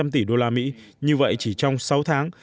năm trăm linh tỷ usd như vậy chỉ trong sáu tháng